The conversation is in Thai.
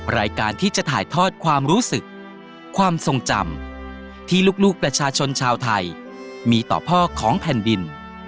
รายการที่จะถ่ายทอดความรู้สึกความทรงจำที่ลูกประชาชนชาวไทยมีต่อพ่อของแผ่นดิน